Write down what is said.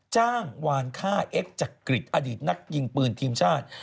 จ้างวานค่าเอ็กซจักริตอดีตนักยิงปืนทีมชาติ